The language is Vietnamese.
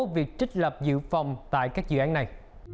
việc trích lập dự phòng tại các dự án này